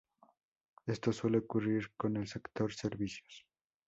Esto suele ocurrir con el sector servicios.